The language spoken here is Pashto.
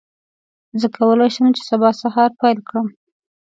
زه کولی شم چې سبا سهار پیل کړم.